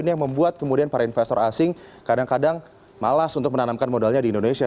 ini yang membuat kemudian para investor asing kadang kadang malas untuk menanamkan modalnya di indonesia